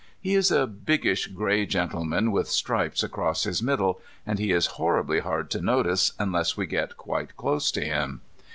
He is a biggish grey gentleman with stripes across his middle, and he is horribly hard to notice unless we get quite close to him.